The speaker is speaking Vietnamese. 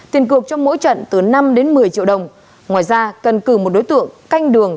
tiền cược trong mỗi trận từ năm đến một mươi triệu đồng ngoài ra cần cử một đối tượng canh đường